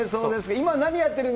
今何やってるの？